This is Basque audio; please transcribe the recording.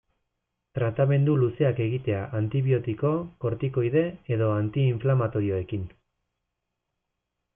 Tratamendu luzeak egitea antibiotiko, kortikoide edo anti-inflamatorioekin.